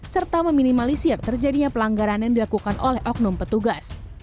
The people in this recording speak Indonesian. serta meminimalisir terjadinya pelanggaran yang dilakukan oleh oknum petugas